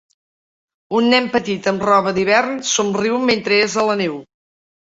Un nen petit amb roba d'hivern somriu mentre és a la neu.